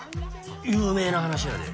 有名な話やで。